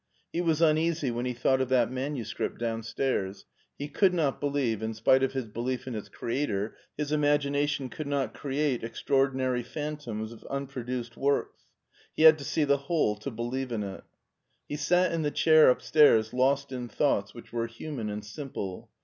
He was uneasy when he thought of that manuscript downstairs. He could not believe, in spite of his belief in its creator, that it was anything rare. His imagination could not create extraordinary phan toms of unproduced works. He had to see the whole to believe in it He sat in the chair upstairs lost in thoughts which were human and simple.